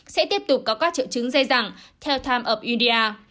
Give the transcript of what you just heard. sẽ tiếp tục có các triệu chứng dây dẳng theo time of india